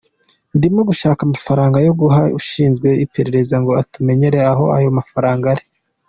Ndimo gushaka amafaranga yo guha ushinzwe iperereza ngo atumenyere aho ayo mafaranga ari.